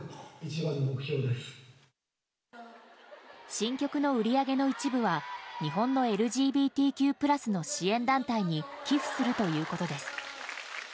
新曲の売り上げの一部は日本のＬＧＢＴＱ＋の支援団体に寄付するということです。